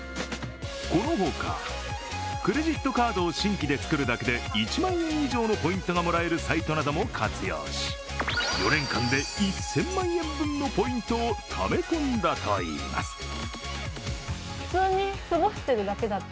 このほか、クレジットカードを新規で作るだけで１万円以上のポイントがもらえるサイトなども活用し４年間で１０００万円分のポイントをためこんだといいます。